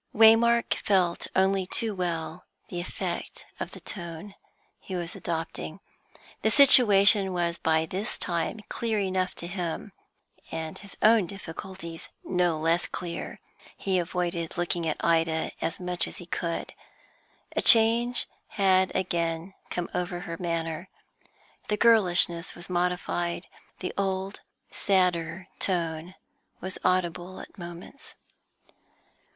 Waymark felt only too well the effect of the tone he was adopting. The situation was by this time clear enough to him, and his own difficulties no less clear. He avoided looking at Ida as much as he could. A change had again come over her manner; the girlishness was modified, the old sadder tone was audible at moments.